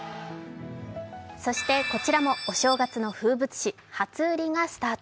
そして、こちらもお正月の風物詩、初売りがスタート。